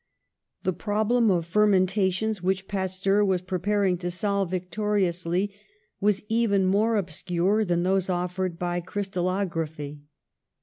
The problem of fermentations which Pasteur was preparing to solve victoriously was even more obscure than those offered by crystalog raphy.